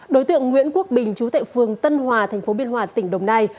đối tượng nguyễn quốc bình chú tại phường tân hòa tp biên hòa tỉnh đồng nai